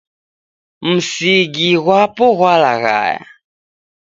Msigi ghwapo ghwalaghaya